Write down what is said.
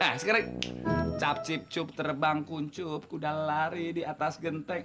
nah sekarang cacip cup terbang kuncup kuda lari di atas genteng